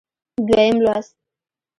دویم لوست